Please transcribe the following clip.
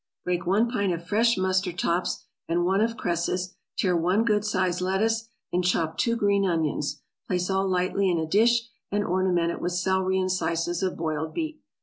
= Break one pint of fresh mustard tops, and one of cresses, tear one good sized lettuce, and chop two green onions; place all lightly in a dish, and ornament it with celery and slices of boiled beet.